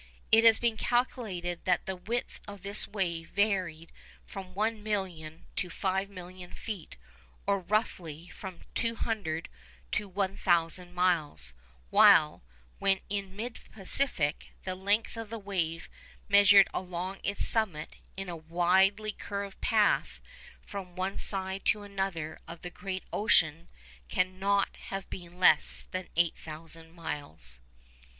It has been calculated that the width of this wave varied from one million to five million feet, or roughly, from 200 to 1,000 miles, while, when in mid Pacific, the length of the wave, measured along its summit in a widely curved path from one side to another of the great ocean, cannot have been less than 8,000 miles.